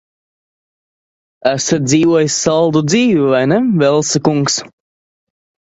Esat dzīvojis saldu dzīvi, vai ne, Velsa kungs?